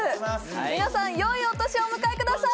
皆さんよいお年をお迎えください